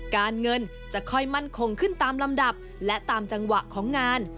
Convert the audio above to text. การเงินจะค่อยมั่นคงขึ้นตามลำดับและตามจังหวะของงาน